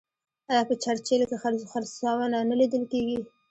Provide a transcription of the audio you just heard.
آیا په چرچیل کې خرسونه نه لیدل کیږي؟